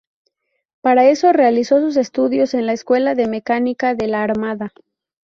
Para eso realizó sus estudios en la Escuela de Mecánica de la Armada.